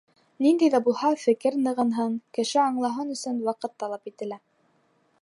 Ниндәй ҙә булһа фекер нығынһын, кеше аңлаһын өсөн ваҡыт талап ителә.